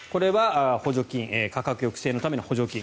これは価格抑制のための補助金